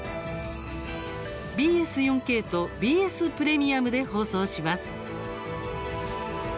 ＢＳ４ＫとＢＳプレミアムで放送します。